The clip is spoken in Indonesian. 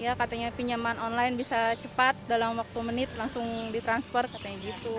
ya katanya pinjaman online bisa cepat dalam waktu menit langsung ditransfer katanya gitu